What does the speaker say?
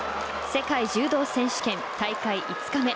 世界柔道選手権大会５日目。